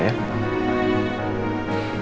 terima kasih pak ya